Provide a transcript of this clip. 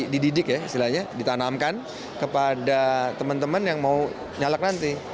dididik ya istilahnya ditanamkan kepada teman teman yang mau nyalak nanti